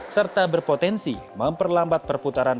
serta berpotensi memperlambat perputaran